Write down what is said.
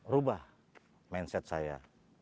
rubah mindset saya